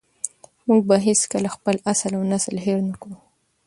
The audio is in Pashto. موږ به هېڅکله خپل اصل او نسل هېر نه کړو.